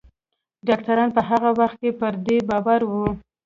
ډاکتران په هغه وخت کې پر دې باور وو